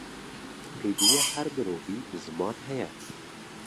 Pêdiviya her mirovî, bi ziman heye